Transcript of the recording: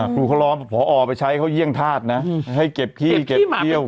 ครูเขาร้องพอไปใช้เขาเยี่ยงธาตุนะให้เก็บที่เก็บเที่ยว